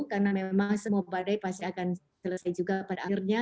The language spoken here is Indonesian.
karena memang semua badai pasti akan selesai juga pada akhirnya